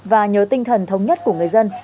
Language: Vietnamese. và nhờ tinh thần thống nhất của người dân